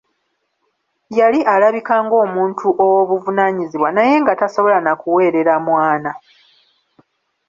Yali alabika ng'omuntu ow'obuvunaanyizibwa naye nga tasobola na kuweerera mwana!